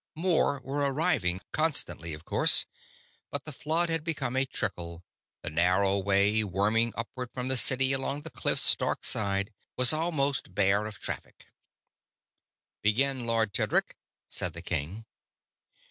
More were arriving constantly, of course, but the flood had become a trickle; the narrow way, worming upward from the city along the cliffs stark side, was almost bare of traffic. "Begin, Lord Tedric," said the king.